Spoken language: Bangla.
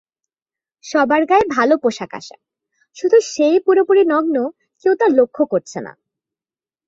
সবার গায়ে ভালো পোশাকআশাক, শুধু সে-ই পুরোপুরি নগ্ন কেউ তা লক্ষ করছে না!